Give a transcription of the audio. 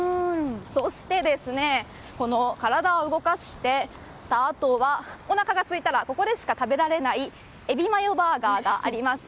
そして、体を動かしたあとおなかがすいたらここでしか食べられないエビマヨバーガーがあります。